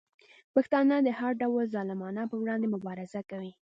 پښتانه د هر ډول ظالمانو په وړاندې مبارزه کوي.